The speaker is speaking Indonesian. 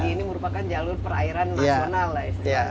ini merupakan jalur perairan nasional lah istilahnya